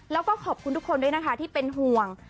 แล้วก็ขอบคุณทุกคนด้วยนะคะที่เป็นห่วง